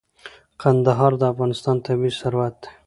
کندهار د افغانستان طبعي ثروت دی.